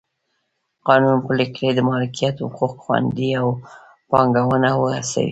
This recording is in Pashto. قانون پلی کړي د مالکیت حقوق خوندي او پانګونه وهڅوي.